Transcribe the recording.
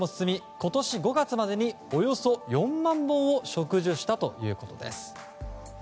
今年５月までに、およそ４万本を植樹したということです。